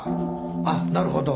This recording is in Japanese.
あっなるほど。